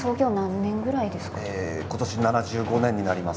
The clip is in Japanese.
今年で７５年になります。